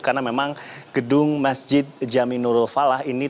karena memang gedung masjid jami nurul falah ini